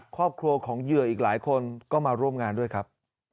ครอบครัวของเหยื่ออีกหลายคนก็มาร่วมงานด้วยครับ